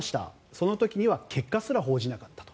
その時には結果すら報じなかったと。